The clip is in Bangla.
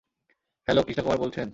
হ্যালো -কৃষ্ণা কুমার বলছেন?